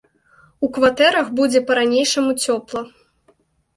У кватэрах будзе па-ранейшаму цёпла.